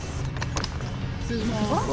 失礼します。